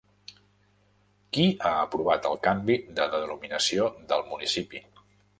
Qui ha aprovat el canvi de denominació del municipi?